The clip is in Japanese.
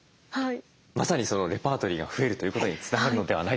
まさにそのレパートリーが増えるということにつながるのではないでしょうか。